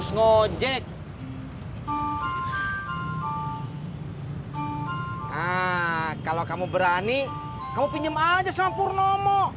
nah kalau kamu berani kamu pinjem aja sama pur nomo